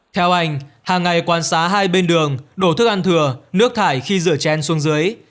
theo anh hàng ngày quan sát hai bên đường đổ thức ăn thừa nước thải khi rửa tren xuống dưới